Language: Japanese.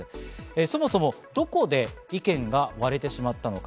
そもそもどこで意見が割れてしまったのか。